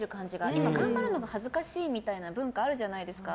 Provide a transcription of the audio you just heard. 今頑張るのが恥ずかしいみたいな文化があるじゃないですか。